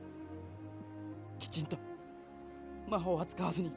きちんと魔法は使わずに